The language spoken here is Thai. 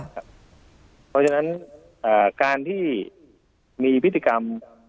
เพราะฉะนั้นการที่มีพฤติกรรม